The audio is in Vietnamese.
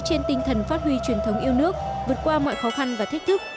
trên tinh thần phát huy truyền thống yêu nước vượt qua mọi khó khăn và thách thức